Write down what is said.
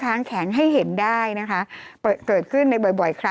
จำกัดจำนวนได้ไม่เกิน๕๐๐คนนะคะ